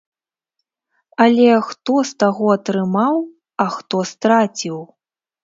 Але хто з таго атрымаў, а хто страціў?